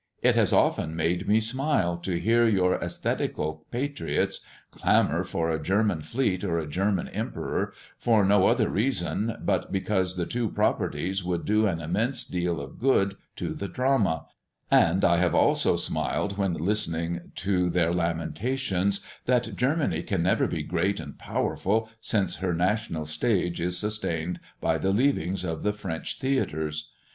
It has often made me smile to hear your æsthetical patriots clamour for a German fleet or a German emperor, for no other reason but because these two 'properties' would do an immense deal of good to the drama; and I have also smiled when listening to their lamentations that Germany can never be great and powerful, since her national stage is sustained by the leavings of the French theatres.